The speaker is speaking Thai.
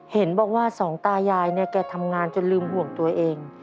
เห็นบอกว่าสองตายายเนี่ยแกทำงานจนลืมห่วงตัวเอง